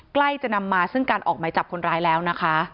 ใกล้จะนำมาซึ่งการออกหมายจับคนร้ายแล้วนะคะ